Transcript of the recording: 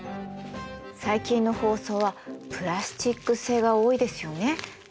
最近の包装はプラスチック製が多いですよね。